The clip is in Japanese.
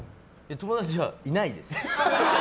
友達はいないです。